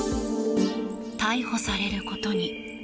逮捕されることに。